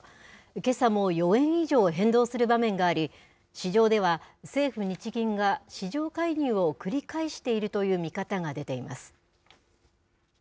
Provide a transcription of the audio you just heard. けさも４円以上変動する場面があり、市場では、政府・日銀が市場介入を繰り返しているという見方が出ています。